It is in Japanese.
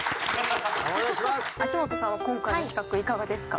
秋元さんは今回の企画いかがですか？